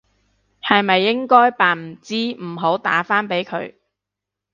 係咪應該扮唔知唔好打返俾佢？